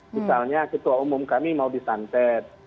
misalnya ketua umum kami mau disantet